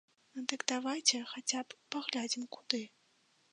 Дык давайце хаця б паглядзім, куды.